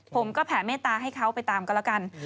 ผมก็แผ่เมตตาให้เขาไปตามก็แล้วกัน